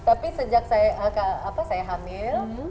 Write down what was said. tapi sejak saya hamil